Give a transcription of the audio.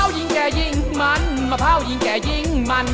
ยิ่งแก่ยิ่งมันมะพร้าวยิ่งแก่ยิ่งมัน